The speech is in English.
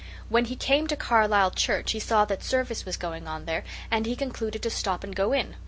When he came to Carlisle church he saw that service was going on there, and he concluded to stop and go in.